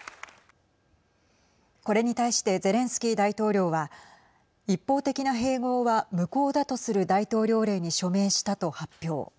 これに対してゼレンスキー大統領は一方的な併合は無効だとする大統領令に署名したと発表。